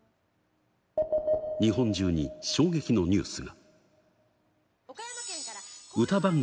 日本中に衝撃のニュースが。